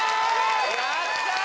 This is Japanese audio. やったー！